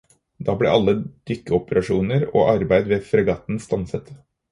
Da ble alle dykkeoperasjoner og arbeid ved fregatten stanset.